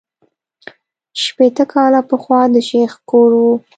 شپېته کاله پخوا د شیخ کور وو.